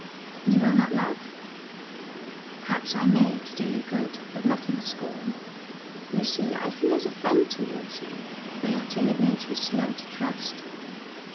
"You will not laugh?" "Perhaps I may, to do you good: but not in scorn. Lucy, I feel as a friend towards you, though your timid nature is slow to trust."